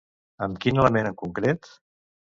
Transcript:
Amb quin element en concret?